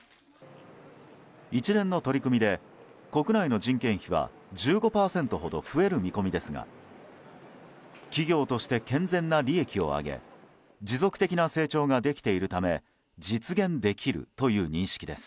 一連の取り組みで国内の人件費は１５％ほど増える見込みですが企業として健全な利益を上げ持続的な成長ができているため実現できるという認識です。